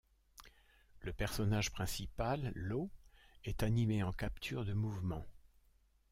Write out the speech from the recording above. Le personnage principal, Lau est animé en capture de mouvement.